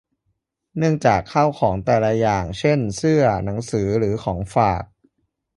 เนื่องจากข้าวของแต่ละอย่าง เช่น เสื้อ หนังสือ หรือของฝาก